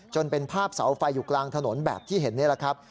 จนเป็นภาพเสาไฟอยู่กลางถนนแบบที่เห็นนี่แหละครับ